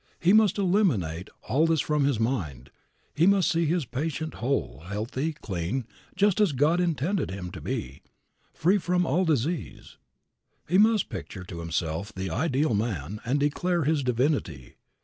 He must eliminate all this from his mind. He must see his patient whole, clean, healthy, just as God intended him to be, free from all disease. He must picture to himself the ideal man, and declare his divinity.